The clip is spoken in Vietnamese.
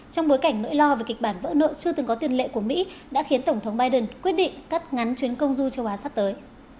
trong bối cảnh nỗi lo về kịch bản vỡ nợ chưa từng có tiền lệ của mỹ đã khiến tổng thống biden quyết định cắt ngắn chuyến công du châu á sắp tới